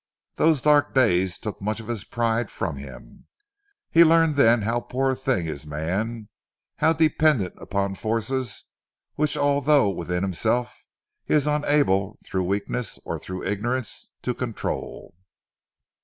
Those dark days took much of his pride from him. He learned then how poor a thing is man; how dependent upon forces which although within himself he is unable through weakness or through ignorance to control.